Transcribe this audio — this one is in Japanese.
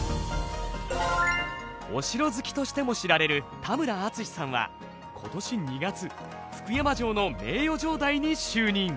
お城好きとしても知られる田村淳さんは今年２月福山城の名誉城代に就任。